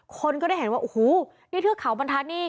คนก็ได้เห็นว่าโอ้โหนี่เทือกเขาบรรทัศน์นี่